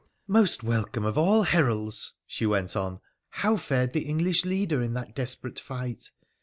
' Most welcome of all heralds,' she went on, ' how fared the English leader in that desperate fight